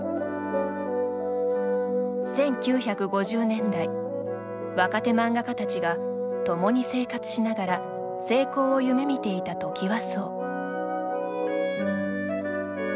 １９５０年代、若手漫画家たちが共に生活しながら成功を夢みていたトキワ荘。